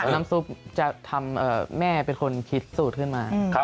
น้ำซุปจะทำแม่เป็นคนคิดสูตรขึ้นมา